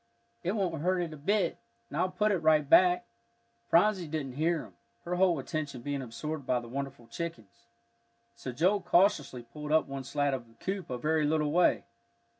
"It won't hurt it a bit, and I'll put it right back." Phronsie didn't hear him, her whole attention being absorbed by the wonderful chickens. So Joel cautiously pulled up one slat of the coop a very little way.